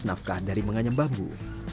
nafkah dari menganyam bambu